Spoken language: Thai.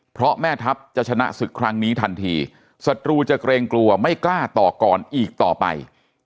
เพราะแม่ทัพจะชนะศึกครั้งนี้ทันทีศัตรูจะเกรงกลัวไม่กล้าต่อก่อนอีกต่อไป